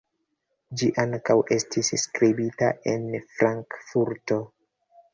Ĝi ankaŭ estis skribita en Frankfurto.